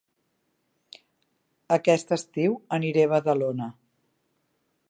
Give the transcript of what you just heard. Aquest estiu aniré a Badalona